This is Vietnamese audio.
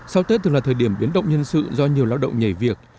sau tết thường là thời điểm biến động nhân sự do nhiều lao động nhảy việc